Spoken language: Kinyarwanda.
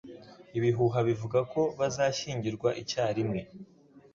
Ibihuha bivuga ko bazashyingirwa icyarimwe.